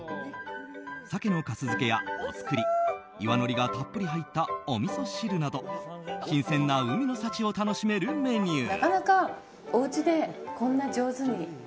鮭の粕漬けやお造り、岩のりがたっぷり入ったおみそ汁など新鮮な海の幸を楽しめるメニュー。